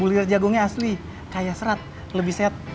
bulir jagungnya asli kayak serat lebih sehat